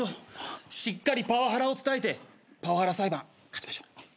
しっかりパワハラを伝えてパワハラ裁判勝ちましょう。